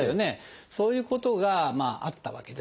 そういうことがあったわけです。